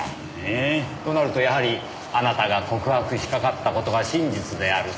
ええ？となるとやはりあなたが告白しかかった事が真実である。